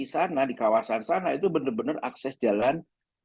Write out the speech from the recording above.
di sana di kawasan sana itu benar benar akses jalan